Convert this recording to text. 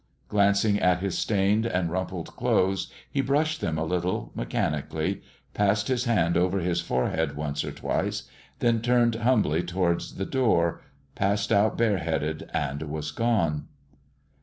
Glancing at his stained and rumpled clothes he brushed them a little, mechanically, passed his hand over his forehead once or twice, then turned humbly toward the door, passed out bareheaded and was gone.